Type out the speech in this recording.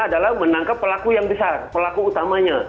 adalah menangkap pelaku yang besar pelaku utamanya